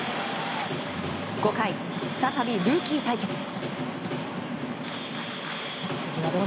５回、再びルーキー対決。